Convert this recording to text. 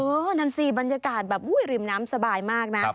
นั่นสิบรรยากาศแบบอุ๊ยริมน้ำสบายมากนะ